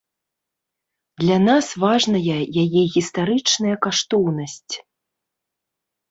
Для нас важная яе гістарычная каштоўнасць.